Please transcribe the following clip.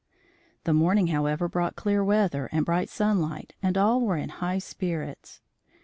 The morning, however, brought clear weather and bright sunlight, and all were in high spirits.